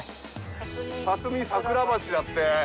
辰巳桜橋だって。